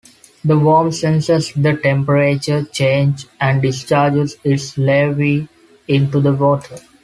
The worm senses the temperature change and discharges its larvae into the water.